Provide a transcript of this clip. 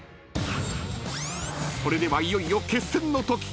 ［それではいよいよ決戦の時］